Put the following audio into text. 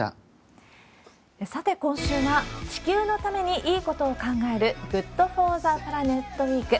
さて、今週は、地球のためにいいことを考える、グッド・フォー・ザ・プラネット・ウィーク。